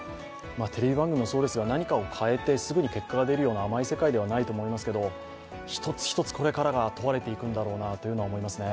テレビ番組もそうですが何かを変えてすぐに結果が出るような甘い世界ではないと思いますけど一つ一つ、これからが問われていくんだろうなと思いますね。